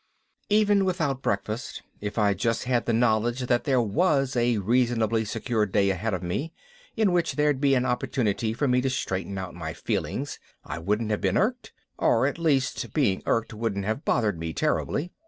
Even without breakfast, if I'd just had the knowledge that there was a reasonably secure day ahead of me in which there'd be an opportunity for me to straighten out my feelings, I wouldn't have been irked, or at least being irked wouldn't have bothered me terribly.